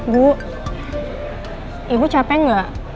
bu ibu capek gak